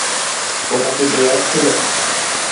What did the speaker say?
ওটা কি ডেয়ার ছিল?